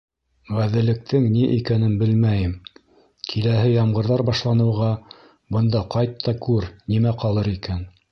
— Ғәҙеллектең ни икәнен белмәйем, киләһе ямғырҙар башланыуға бында ҡайт та күр, нимә ҡалыр икән?